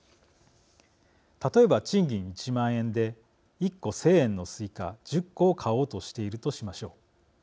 例えば賃金１万円で１個１０００円のすいか１０個を買おうとしているとしましょう。